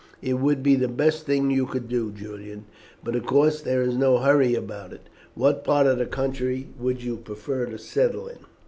"It would be the best thing you could do, Julian, but, of course, there is no hurry about it. What part of the country would you prefer to settle in?"